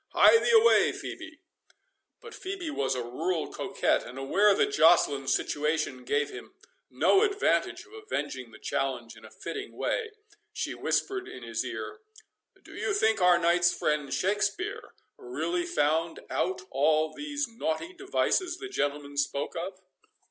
—Hie thee away, Phœbe." But Phœbe was a rural coquette, and, aware that Joceline's situation gave him no advantage of avenging the challenge in a fitting way, she whispered in his ear, "Do you think our knight's friend, Shakspeare, really found out all these naughty devices the gentleman spoke of?"